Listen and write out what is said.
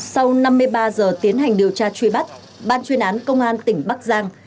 sau năm mươi ba giờ tiến hành điều tra truy bắt ban chuyên án công an tỉnh bắc giang